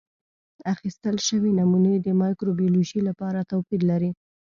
اخیستل شوې نمونې د مایکروبیولوژي لپاره توپیر لري.